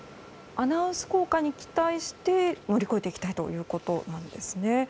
アナウンス効果に期待して乗り越えていきたいということなんですね。